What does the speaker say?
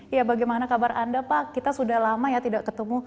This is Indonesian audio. ya bagaimana kabar anda pak kita sudah lama ya tidak ketemu